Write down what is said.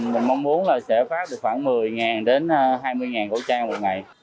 mình mong muốn là sẽ phát được khoảng một mươi đến hai mươi khẩu trang một ngày